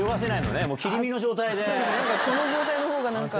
この状態のほうが何か。